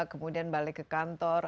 kemudian balik ke kantor